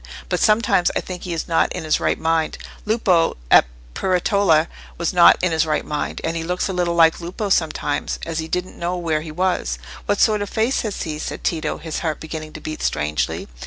But sometimes I think he is not in his right mind: Lupo, at Peretola, was not in his right mind, and he looks a little like Lupo sometimes, as if he didn't know where he was." "What sort of face has he?" said Tito, his heart beginning to beat strangely.